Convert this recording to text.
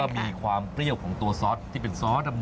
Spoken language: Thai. มีความเปรี้ยวของตัวซอสที่เป็นซอสดำ